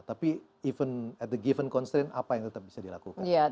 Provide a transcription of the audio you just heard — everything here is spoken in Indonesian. tapi even at the given constraint apa yang tetap bisa dilakukan